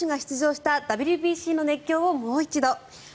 大谷選手が出場したＷＢＣの熱狂をもう一度。